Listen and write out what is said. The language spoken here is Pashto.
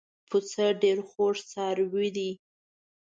پسه ډېر خوږ څاروی دی.